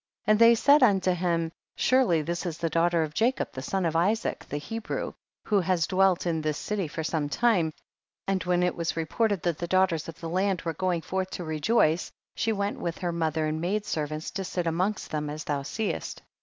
9. And they said unto him, surely this is the daughter of Jacob the son of Isaac the Hebrew, who has dwelt in this city for some time, and when it was reported that the daughters of the land were going forth to rejoice she went with her mother and maid servants to sit amongst them as thou seest.